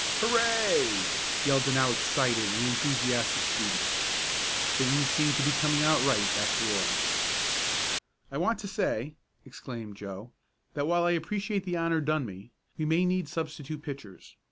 Hurray!" yelled the now excited and enthusiastic students. Things seemed to be coming out right after all. "I want to say," exclaimed Joe, "that while I appreciate the honor done me, we may need substitute pitchers.